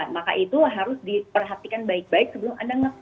maka itu harus diperhatikan baik baik sebelum anda